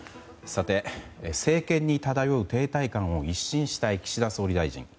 さて、政権に漂う停滞感を一新したい岸田総理大臣。